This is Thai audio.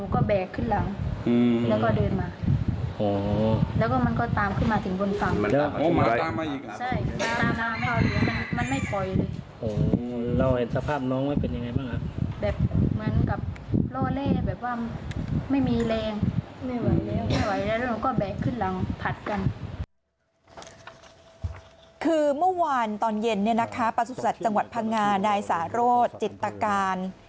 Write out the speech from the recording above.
คือเมื่อวานตอนเย็นเนี่ยนะคะประสุทธิ์จังหวัดพังงานายสารโรธจิตการ